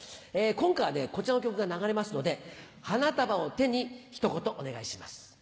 今回はこちらの曲が流れますので花束を手にひと言お願いします。